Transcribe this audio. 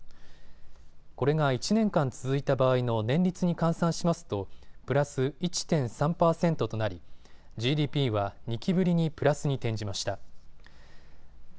これが１年間続いた場合の年率に換算しますとプラス１．３％となりＧＤＰは２期ぶりにプラスに転じました。